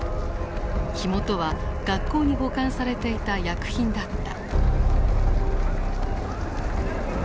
火元は学校に保管されていた薬品だった。